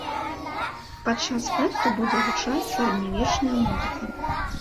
Падчас фэсту будзе гучаць сярэднявечная музыка.